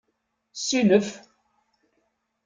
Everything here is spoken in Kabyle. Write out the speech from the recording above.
Ssinef!